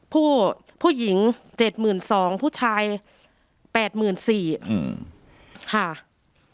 ผู้ผู้หญิงเจ็ดหมื่นสองผู้ชายแปดหมื่นสี่อืมค่ะ